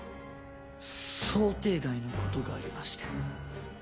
想定外の事がありまして。